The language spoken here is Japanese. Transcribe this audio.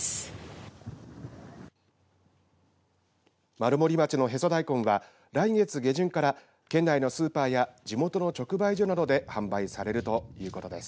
丸森町のへそ大根は来月下旬から県内のスーパーや地元の直売所などで販売されるということです。